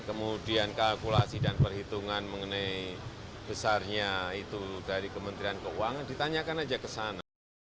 kemudian kalkulasi dan perhitungan mengenai besarnya itu dari kementerian keuangan ditanyakan aja ke sana